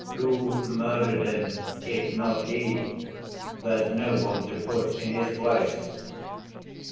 Who murdered him, if not he? There's no one to put in his place.